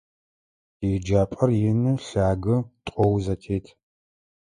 ТиеджапӀэр ины, лъагэ, тӀоу зэтет.